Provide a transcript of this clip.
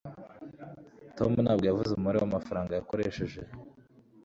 tom ntabwo yavuze umubare w'amafaranga yakoresheje